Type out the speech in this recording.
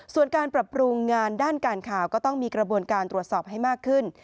ส่วนการปรับปรุงงานด้านการข่าวก็ต้องมีกระบวนการตรวจสอบให้มากขึ้น